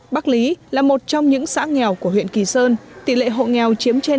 bắc lý là một trong những xã nghèo của huyện kỳ sơn tỷ lệ hộ nghèo chiếm trên sáu mươi hai